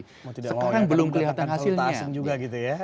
sekarang belum kelihatan hasilnya